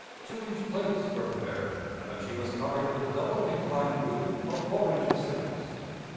Two inch plates were prepared, and she was covered with a double inclined roof of four inches thickness.